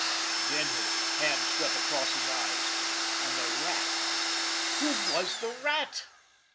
Again his hand swept across his eyes. And the Rat—who was the Rat?